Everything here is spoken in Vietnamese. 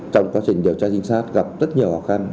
trong quá trình điều tra chính xác gặp rất nhiều con bạc